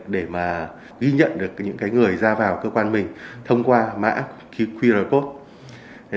để mà ghi nhận được những người ra vào cơ quan mình thông qua mã qr code